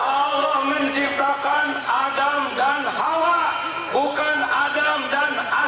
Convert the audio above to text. allah menciptakan adam dan hawa bukan adam dan ada